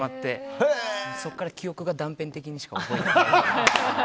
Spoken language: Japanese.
そこから記憶が断片的にしか。